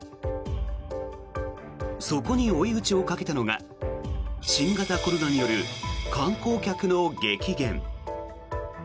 そこに追い打ちをかけたのが新型コロナによる観光客の激減。